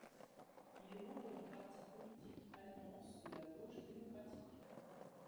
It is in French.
Il est membre du parti politique Alliance de la gauche démocratique.